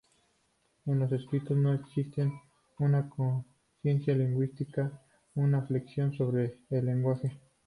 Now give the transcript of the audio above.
En los escritores, no existe una conciencia lingüística, una reflexión sobre el lenguaje.